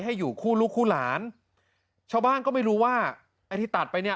ให้อยู่คู่ลูกคู่หลานชาวบ้านก็ไม่รู้ว่าไอ้ที่ตัดไปเนี่ย